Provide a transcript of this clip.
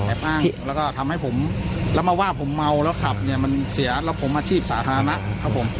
อ้างแล้วก็ทำให้ผมแล้วมาว่าผมเมาแล้วขับเนี่ยมันเสียแล้วผมอาชีพสาธารณะครับผม